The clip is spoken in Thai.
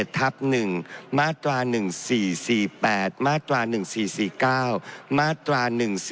ทนนะคะถอนค่ะ